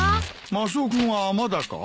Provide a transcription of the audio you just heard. マスオ君はまだか？